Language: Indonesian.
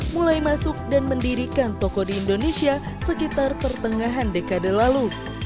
mulai masuk dan mendirikan toko di indonesia sekitar pertengahan dekade lalu